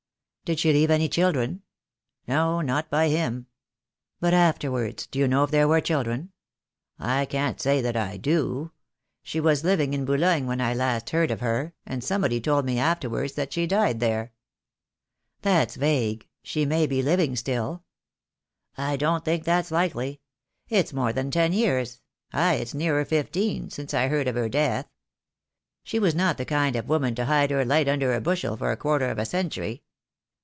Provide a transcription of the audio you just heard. "Did she leave any children?" "No, not by him." "But afterwards — do you know if there were children?" "I can't say that I do. She was living in Boulogne when I last heard of her, and somebody told me after wards that she died there." THE DAY WILL COME. 171 "That's vague. She may be living still." "I don't think that's likely. It's more than ten years —ay, it's nearer fifteen — since I heard of her death. She was not the kind of woman to hide her light under a bushel for a quarter of a century.